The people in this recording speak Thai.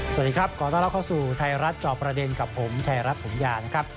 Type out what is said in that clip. สวัสดีครับขอต้อนรับเข้าสู่ไทยรัฐจอบประเด็นกับผมชายรัฐถมยานะครับ